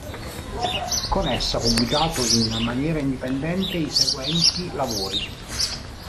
Con essa ha pubblicato in maniera indipendente i seguenti lavori.